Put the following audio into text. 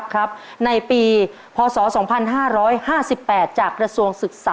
ข้อนี้ต้องถูกนะ